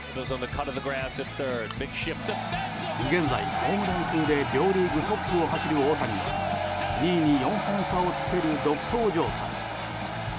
現在、ホームラン数で両リーグトップを走る大谷は２位に４本差をつける独走状態。